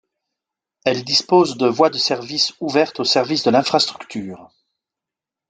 Elle dispose de voies de service ouvertes au service de l'infrastructure.